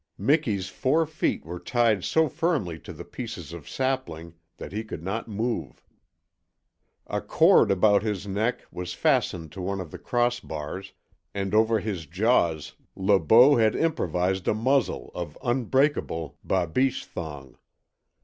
Miki's four feet were tied so firmly to the pieces of sapling that he could not move. A cord about his neck was fastened to one of the crossbars, and over his jaws Le Beau had improvised a muzzle of unbreakable BABICHE thong.